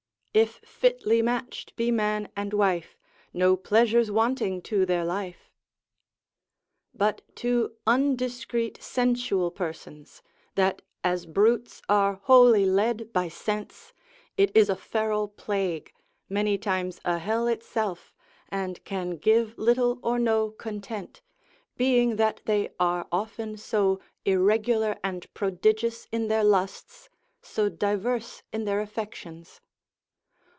If fitly match'd be man and wife, No pleasure's wanting to their life. But to undiscreet sensual persons, that as brutes are wholly led by sense, it is a feral plague, many times a hell itself, and can give little or no content, being that they are often so irregular and prodigious in their lusts, so diverse in their affections.